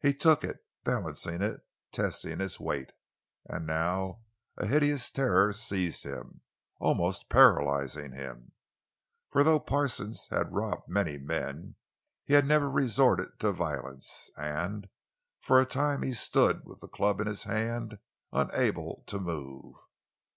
He took it, balancing it, testing its weight. And now a hideous terror seized him, almost paralyzing him. For though Parsons had robbed many men, he had never resorted to violence; and for a time he stood with the club in his hand, unable to move.